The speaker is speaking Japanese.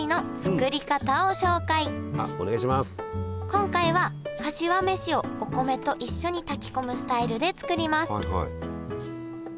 今回はかしわ飯をお米と一緒に炊き込むスタイルで作ります。